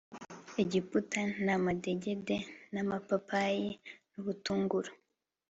Egiputa n amadegede n amapapayi n ubutunguru